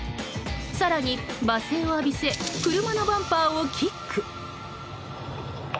更に、罵声を浴びせ車のバンパーをキック！